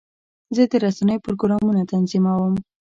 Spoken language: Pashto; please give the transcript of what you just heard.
زه د رسنیو پروګرامونه تنظیموم.